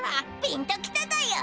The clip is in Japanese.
ピンと来ただよ。